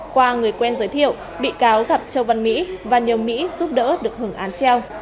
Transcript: qua người quen giới thiệu bị cáo gặp châu văn mỹ và nhờ mỹ giúp đỡ được hưởng án treo